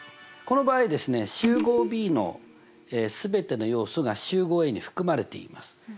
この場合ですね集合Ｂの全ての要素が集合Ａに含まれています。